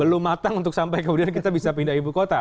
belum matang untuk sampai kemudian kita bisa pindah ibu kota